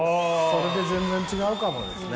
それで全然違うかもですね。